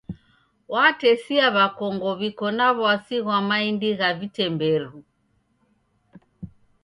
Watesia w'akongo w'iko na w'asi ghwa maindi gha vitemberu.